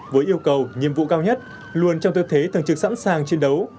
với yêu cầu nhiệm vụ cao nhất luôn trong tư thế thường trực sẵn sàng chiến đấu